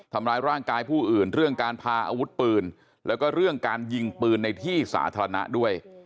ทำร้ายร่างกายผู้อื่นเรื่องการพาอาวุธปืนแล้วก็เรื่องการยิงปืนในที่สาธารณะด้วย